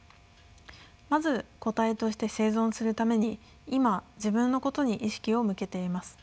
まず個体として生存するために今自分のことに意識を向けています。